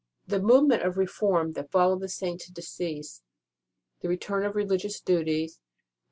The move ment of reform that followed on the Saint s decease the return to religious duties, and to l86 ST.